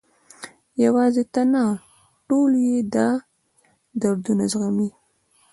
یوازې ته نه، ټول یې دا دردونه زغمي.